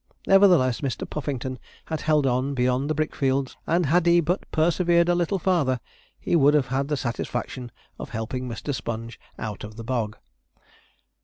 Nevertheless, Mr. Puffington had held on beyond the brick fields; and had he but persevered a little farther, he would have had the satisfaction of helping Mr. Sponge out of the bog.